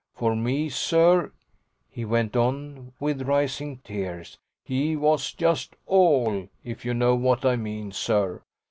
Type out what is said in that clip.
For me, sir," he went on with rising tears, "he was just ALL, if you know what I mean, sir.